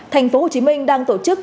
thành phố hồ chí minh đang tổ chức